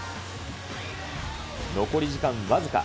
残り時間僅か。